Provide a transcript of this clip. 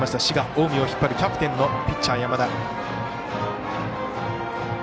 滋賀・近江を引っ張るキャプテンのピッチャー、山田。